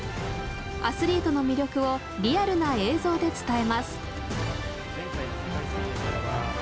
アスリートの魅力をリアルな映像で伝えます。